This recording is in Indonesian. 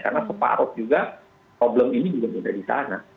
karena separuh juga problem ini juga berada di sana